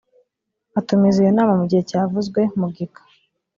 atumiza iyo nama mu gihe cyavuzwe mu gika